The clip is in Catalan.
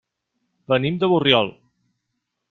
Venim de Borriol.